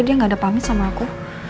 dia gak ada pamit sama aku